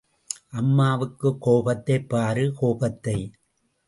அம்மாவுக்குக் கோபத்தைப் பாரு கோபத்தை..!